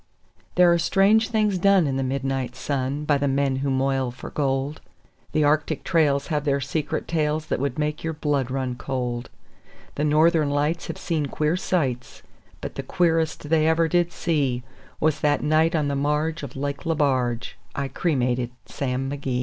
There are strange things done in the midnight sun By the men who moil for gold; The Arctic trails have their secret tales That would make your blood run cold; The Northern Lights have seen queer sights, But the queerest they ever did see Was that night on the marge of Lake Lebarge I cremated Sam McGee.